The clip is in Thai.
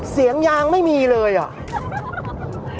เสียงยางไม่มีเลยอ่ะ